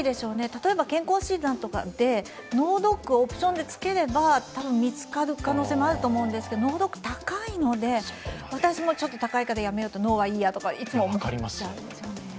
例えば健康診断とかで脳ドック、オプションでつければ見つかる可能性もあると思いますが脳ドック、高いので私もちょっと高いからやめよう、脳はいいやとか、いつも思っちゃうんですよね。